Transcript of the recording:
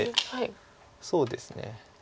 そうですね。